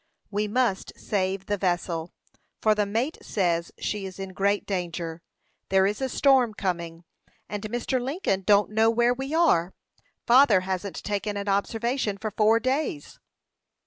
"We must save the vessel, for the mate says she is in great danger. There is a storm coming, and Mr. Lincoln don't know where we are. Father hasn't taken an observation for four days."